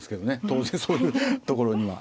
当然そういうところには。